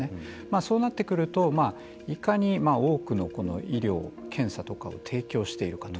そうなってくるといかに多くの医療、検査とかを提供しているかと。